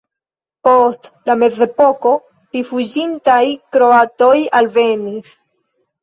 Post la mezepoko rifuĝintaj kroatoj alvenis.